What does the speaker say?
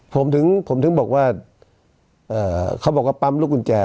ผมถึงผมถึงบอกว่าเขาบอกว่าปั๊มลูกกุญแจ